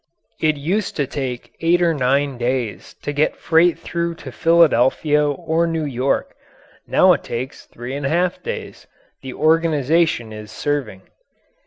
It used to take 8 or 9 days to get freight through to Philadelphia or New York; now it takes three and a half days. The organization is serving.